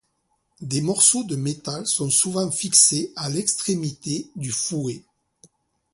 Des morceaux de métal sont souvent fixés à l'extrémité du fouet.